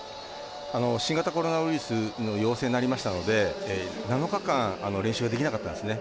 新型コロナウイルスの陽性になりましたので７日間練習ができなかったんですね。